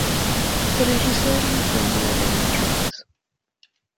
Režisérem filmu je David Jones.